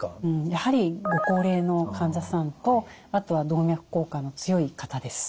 やはりご高齢の患者さんとあとは動脈硬化の強い方です。